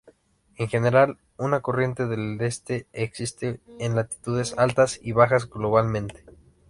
En general, una corriente del este existe en latitudes altas y bajas globalmente.